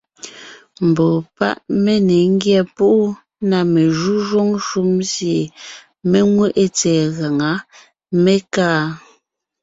Mbɔɔ páʼ mé ne ńgyá púʼu na mejʉ́jʉ́ŋ shúm sie mé ŋweʼé tsɛ̀ɛ gaŋá, mé kaa.